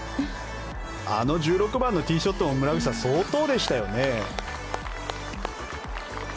あの１６番のティーショットも村口さん、相当でしたよね。